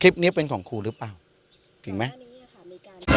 คลิปเนี้ยเป็นของครูหรือเปล่าจริงไหม